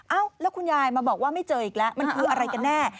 แล้วคุณยายมาบอกว่าไม่เจออีกแล้วมันคืออะไรกันแน่